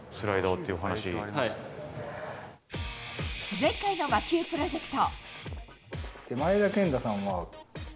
前回の魔球プロジェクト。